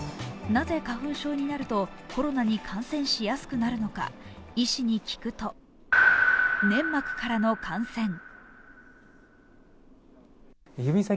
なぜ花粉症になるとコロナに感染しやすくなるのか医師に聞くと、粘膜からの感染。